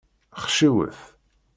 Xciwet.